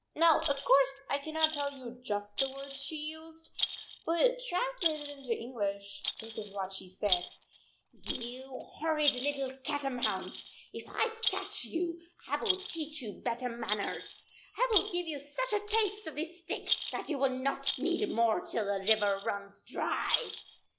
Now, of course, I cannot tell you just the 10 words she used, but, translated into Eng lish, this is what she said: " You horrid little catamounts, if I catch you, I 11 teach you better manners ! I 11 give you such a taste of this stick that you ll not need more till the river runs dry."